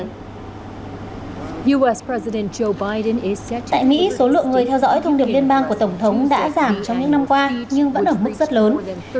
ubergen số lượng người theo dõi thông điệp liên bang của tổng thống đã giảm trong những năm qua nhưng vẫn ở mức rất lớn